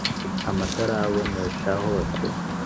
amatara abonesha hose